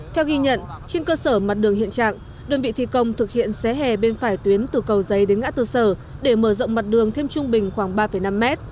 theo ghi nhận trên cơ sở mặt đường hiện trạng đơn vị thi công thực hiện xé hè bên phải tuyến từ cầu giấy đến ngã tư sở để mở rộng mặt đường thêm trung bình khoảng ba năm m